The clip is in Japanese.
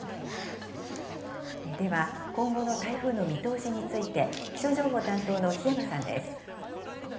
では、今後の台風の見通しについて、気象情報担当の檜山さんです。